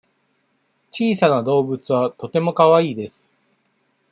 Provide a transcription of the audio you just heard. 小さな動物はとてもかわいいです。